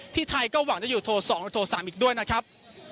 ไทยก็หวังจะอยู่โทร๒และโทร๓อีกด้วยนะครับ